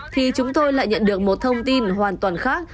thì chúng tôi lại nhận được một thông tin hoàn toàn khác